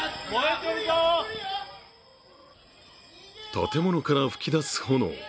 建物から噴き出す炎。